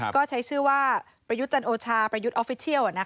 ก็ใช้ชื่อว่าประยุธจันโอชาประยุธออฟฟิตเชียลอ่ะนะคะ